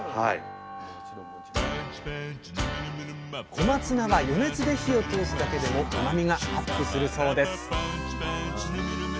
小松菜は余熱で火を通すだけでもうまみがアップするそうです！